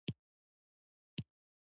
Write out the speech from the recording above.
د تخار په خواجه بهاوالدین کې مالګه شته.